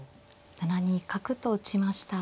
７二角と打ちました。